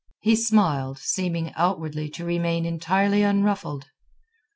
He smiled, seeming outwardly to remain entirely unruffled.